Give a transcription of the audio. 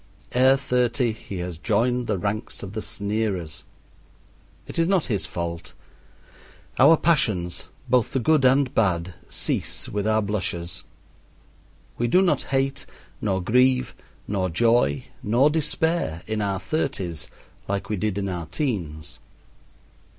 ere thirty he has joined the ranks of the sneerers. It is not his fault. Our passions, both the good and bad, cease with our blushes. We do not hate, nor grieve, nor joy, nor despair in our thirties like we did in our teens.